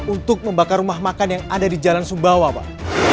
untuk membakar rumah makan yang ada di jalan sumbawa pak